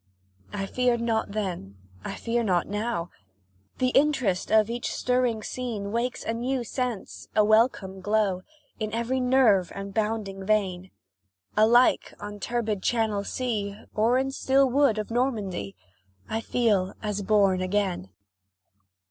I feared not then I fear not now; The interest of each stirring scene Wakes a new sense, a welcome glow, In every nerve and bounding vein; Alike on turbid Channel sea, Or in still wood of Normandy, I feel as born again.